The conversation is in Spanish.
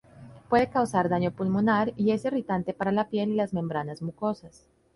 Puede causar daño pulmonar y es irritante para la piel y las membranas mucosas.